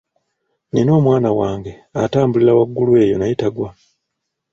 Nina omwana wange atambulira waggulu eyo naye tagwa.